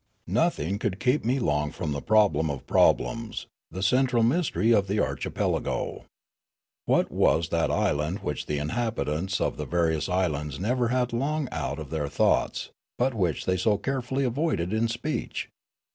Nothing could keep me long from the problem of problems, the central mysterj' of the archipelago. What was that land which the inhabitants of the vari ous islands never had long out of their thoughts, but which they so carefull} avoided in speech